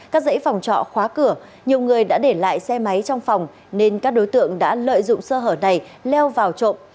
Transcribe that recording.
cắt dãy phòng trọ khóa cửa nhiều người đã để lại xe máy trong phòng nên các đối tượng đã lợi dụng sơ hở này leo vào trộm